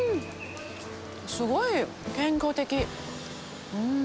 すごい健康的！